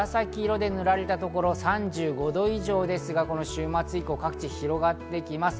紫色で塗られたところ、３５度以上ですが、週末以降、各地広がってきます。